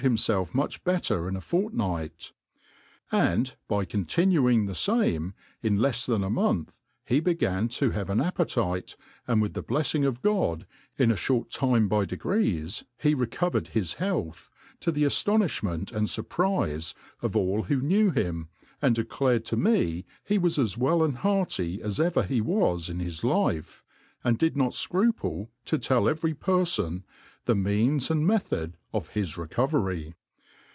Jf ijiucb better in ^ fortnight; and^ by CQntio.uing.thcj fame, in lefs tbani a month he began to bav^ an a^p.etite, and, wit4) the bleffing of God, in a fhort time by degrees ^*e reco vered his health, to the aftonifliment and furpri;^)? of all who knew him, and declared to me he was as well and hearty as ever he was in his life, and did p,o^ fcruple to tell every perfon the means and method of his recovery.